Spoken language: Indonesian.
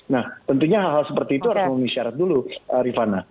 nah tentunya hal hal seperti itu harus memenuhi syarat dulu rifana